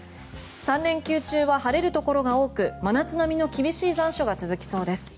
３連休は晴れるところが多く真夏並みの厳しい残暑が続きそうです。